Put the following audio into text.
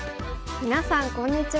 みなさんこんにちは。